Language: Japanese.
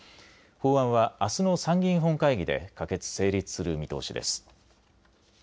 法案はあすの参議院本会議で可決・成立する見通しです。